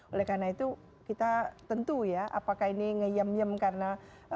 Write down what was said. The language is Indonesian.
oleh karena itu kita tentu ya apakah ini ngeyem yem karena